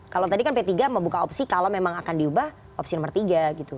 kalau tadi kan p tiga membuka opsi kalau memang akan diubah opsi nomor tiga gitu